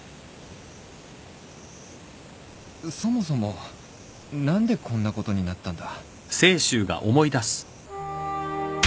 そもそも何でこんなことになったんだ？